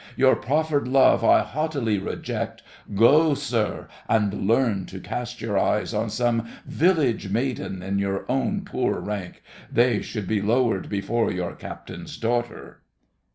Your proffered love I haughtily reject. Go, sir, and learn to cast your eyes on some village maiden in your own poor rank—they should be lowered before your captain's daughter.